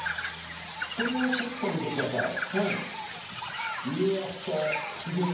これをちょっと見てください。